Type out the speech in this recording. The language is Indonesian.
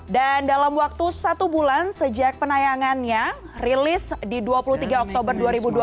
dan dalam waktu satu bulan sejak penayangannya rilis di dua puluh tiga oktober dua ribu dua puluh